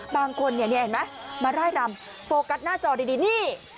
บางคนเห็นไหมมาร่ายรำโฟกัสหน้าจอดีนี่